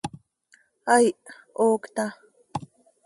Aih, ¡hoocta!